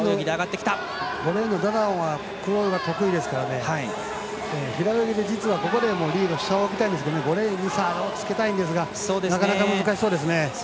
ダダオンはクロールが得意ですから平泳ぎ、実はここでリードしちゃうみたいですけど５レーンに差をつけたいんですがなかなか難しそうです。